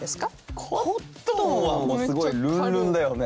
「コットン」はもうすごいルンルンだよね。